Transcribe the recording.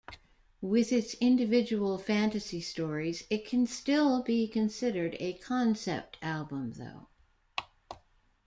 With its individual fantasy stories, it can still be considered a concept album, though.